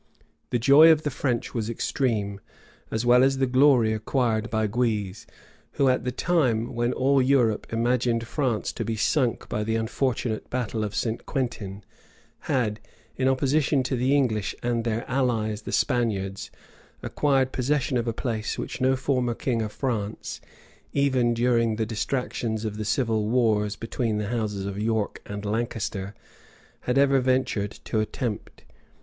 The joy of the French was extreme, as well as the glory acquired by Guise; who, at the time when all Europe imagined France to be sunk by the unfortunate battle of St. Quintin, had, in opposition to the English, and their allies the Spaniards, acquired possession of a place which no former king of France, even during the distractions of the civil wars between the houses of York and Lancaster, had ever ventured to attempt.